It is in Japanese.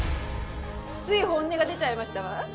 つい本音が出ちゃいましたわ。